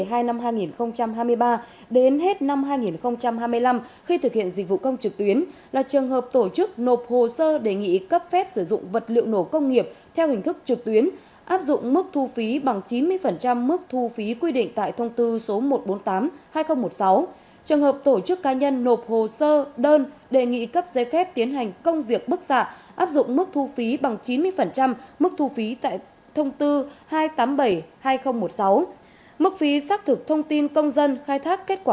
bộ tài chính giảm từ một mươi cho đến năm mươi phần trăm mức thu của tám khoản phí lệ phí đến hết năm hai nghìn hai mươi năm khi thực hiện dịch vụ công trực tuyến là trường hợp tổ chức nộp hồ sơ đề nghị cấp phép sử dụng vật liệu nổ công nghiệp theo hình thức trực tuyến áp dụng mức thu phí bằng chín mươi phần trăm mức thu phí quy định tại thông tư số một triệu bốn trăm tám mươi hai nghìn một mươi sáu trường hợp tổ chức cá nhân nộp hồ sơ đơn đề nghị cấp giấy phép tiến hành công việc bức xạ áp dụng mức thu phí bằng chín mươi phần trăm mức thu phí tại thông tư hai triệu tám trăm bảy mươi hai nghìn một mươi sáu mức phí xác thực thông tin công dân khai thác kết qu